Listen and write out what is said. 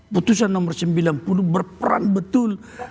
putusan nomor sembilan puluh berperan betul